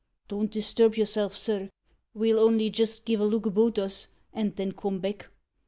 Don't disturb yourself, sir. Ve'll only jist giv' a look about us, and then come back."